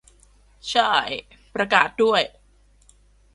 ช่าย ประกาศด้วย